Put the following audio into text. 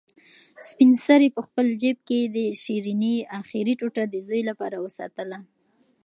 سپین سرې په خپل جېب کې د شیرني اخري ټوټه د زوی لپاره وساتله.